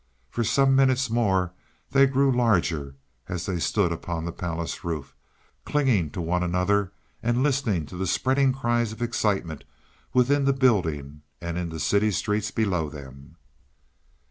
For some minutes more they grew larger, as they stood upon the palace roof, clinging to one another and listening to the spreading cries of excitement within the building and in the city streets below them.